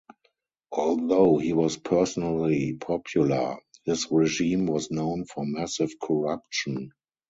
Although he was personally popular, his regime was known for massive corruption.